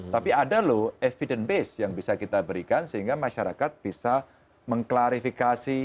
tapi ada loh evidence base yang bisa kita berikan sehingga masyarakat bisa mengklarifikasi